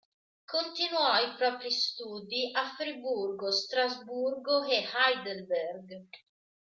Continuò i propri studi a Friburgo, Strasburgo e Heidelberg.